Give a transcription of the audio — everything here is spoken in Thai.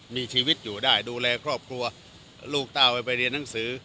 มีชีวิตอยู่ได้ดูแลครอบครัวลูกเต้าไปเรียนหนังสือ